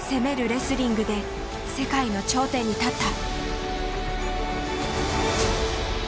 レスリングで世界の頂点に立った。